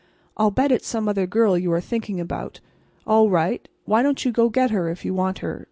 I'll bet it's some other girl you are thinking about. All right. Why don't you go get her if you want her?